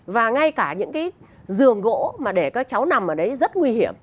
và ngay cả những cái giường gỗ mà để các cháu nằm ở đấy rất nguy hiểm